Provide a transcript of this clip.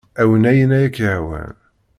Awi ayen ay ak-yehwan.